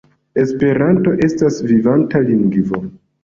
Esperanto estas vivanta lingvo.